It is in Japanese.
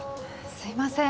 すいません